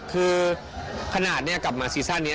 คือขนาดนี้กลับมาซีซั่นนี้